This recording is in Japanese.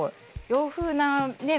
洋風なね